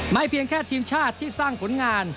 เพียงแค่ทีมชาติที่สร้างผลงาน